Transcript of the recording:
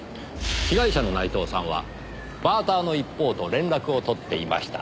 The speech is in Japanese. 被害者の内藤さんはバーターの一方と連絡を取っていました。